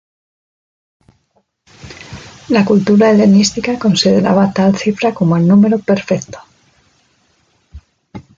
La cultura helenística consideraba tal cifra como el número perfecto.